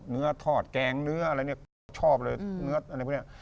เนื้อทอดแกงเนื้ออะไรเนี่ยชอบเลยเนื้ออะไรพวกนี้